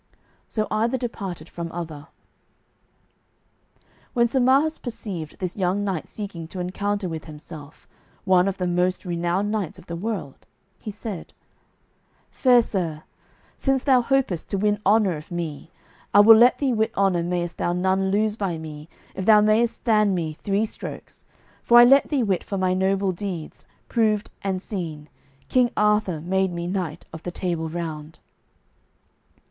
So either departed from other. When Sir Marhaus perceived this young knight seeking to encounter with himself, one of the most renowned knights of the world, he said, "Fair sir, since thou hopest to win honour of me, I let thee wit honour mayest thou none lose by me if thou mayest stand me three strokes, for I let thee wit for my noble deeds, proved and seen, King Arthur made me knight of the Table Round."